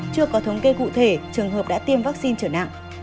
chưa có thống kê cụ thể trường hợp đã tiêm vaccine trở nặng